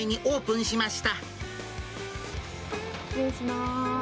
失礼します。